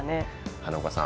花岡さん